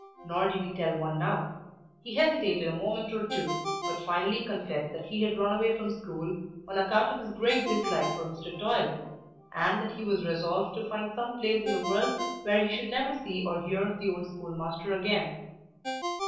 Nor did he tell one now. He hesitated a moment or two, but finally confessed that he had run away from school, on account of his great dislike for Mr. Toil; and that he was resolved to find some place in the world where he should never see or hear of the old schoolmaster again.